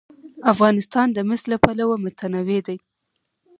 افغانستان د مس له پلوه متنوع دی.